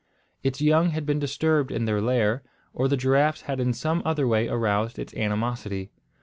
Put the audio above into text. Its young had been disturbed in their lair, or the giraffes had in some other way aroused its animosity.